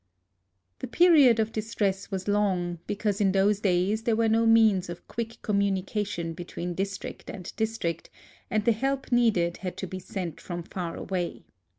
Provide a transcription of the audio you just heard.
The period of distress was long, because in those days there were no means of quick com munication between district and district, and the help needed had to be sent from far away.